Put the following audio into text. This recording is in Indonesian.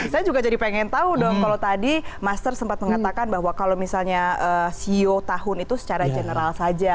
saya juga jadi pengen tahu dong kalau tadi master sempat mengatakan bahwa kalau misalnya ceo tahun itu secara general saja